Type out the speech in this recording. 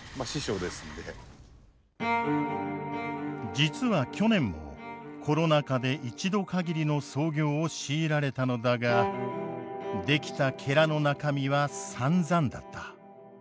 実は去年もコロナ禍で一度かぎりの操業を強いられたのだが出来たの中身はさんざんだった。